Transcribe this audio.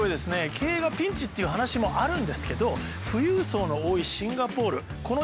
経営がピンチっていう話もあるんですけど富裕層の多いシンガポールえっ月に？